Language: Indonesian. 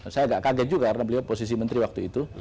saya agak kaget juga karena beliau posisi menteri waktu itu